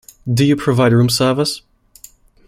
Do you provide room service?